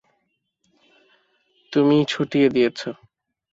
তুমিই ছুটিয়ে দিয়েছ।